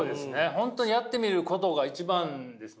本当にやってみることが一番ですもんね。